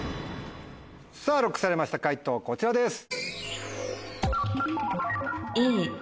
さぁＬＯＣＫされました解答こちらです。